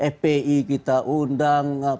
fpi kita undang